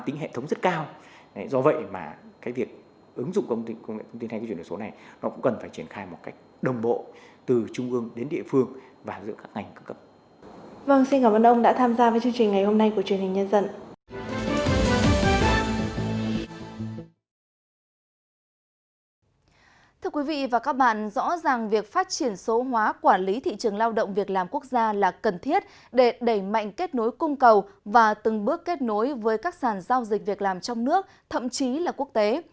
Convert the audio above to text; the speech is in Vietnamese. thưa quý vị và các bạn rõ ràng việc phát triển số hóa quản lý thị trường lao động việc làm quốc gia là cần thiết để đẩy mạnh kết nối cung cầu và từng bước kết nối với các sàn giao dịch việc làm trong nước thậm chí là quốc tế